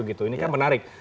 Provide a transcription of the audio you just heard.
ini kan menarik